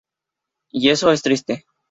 Y eso es triste".